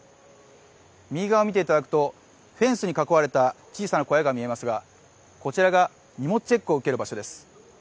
右側をみていただくと、フェンスに囲われた小さな小屋が見えますが、こちらが荷物チェックを受ける場所です。